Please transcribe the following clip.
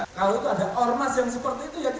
kalau itu ada ormas yang seperti itu ya